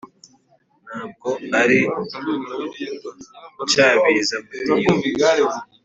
n’ubwo ari inshabizamudiho.